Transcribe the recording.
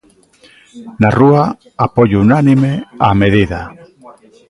Na rúa, apoio unánime á medida.